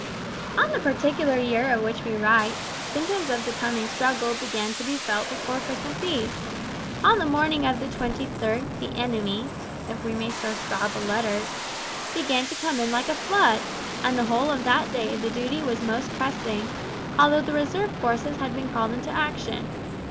On the particular year of which we write, symptoms of the coming struggle began to be felt before Christmas eve. On the morning of the 23rd, the enemy if we may so style the letters began to come in like a flood, and the whole of that day the duty was most pressing, although the reserve forces had been called into action.